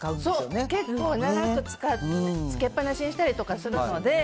そう、結構長くつけっぱなしにしたりとかするので。